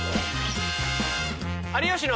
「有吉の」。